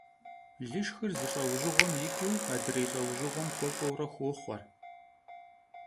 Лышхыр зы лӀэужьыгъуэм икӀыу адрей лӀэужьыгъуэм хуэкӀуэурэ хохъуэ.